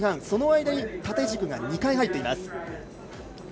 その間に縦軸が２回入っています。